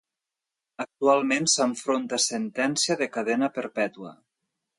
Actualment, s'enfronta a sentència de cadena perpètua.